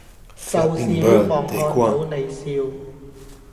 就是希望看到你笑